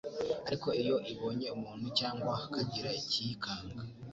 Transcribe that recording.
ariko iyo ibonye umuntu cyangwa hakagira ikiyikanga